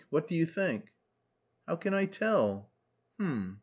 What do you think?" "How can I tell?" "H'm.